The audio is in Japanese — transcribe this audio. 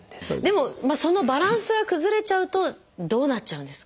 でもそのバランスが崩れちゃうとどうなっちゃうんですか？